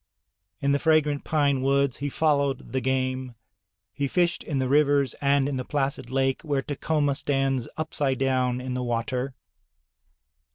In the fragrant pine woods he followed the game; he fished in the rivers and in the placid lake where Tacoma stands upside down in the water.